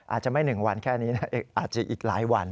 อาจจะไม่๑วันแค่นี้นะอาจจะอีกหลายวัน